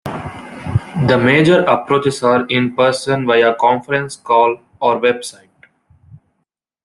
The major approaches are "in person", via "conference call" or "website".